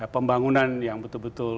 pembangunan yang betul betul